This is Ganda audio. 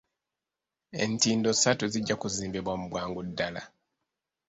Entindo ssatu zijja kuzimbibwa mu bwangu ddala.